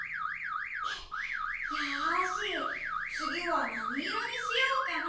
よしつぎはなにいろにしようかな。